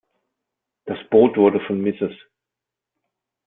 Das Boot wurde von Mrs.